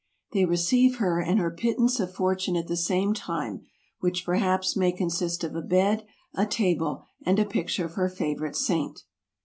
They receive her and her pittance of fortune at the same time; which perhaps may consist of a bed, a table, and a picture of her fa¬ vourite Saint.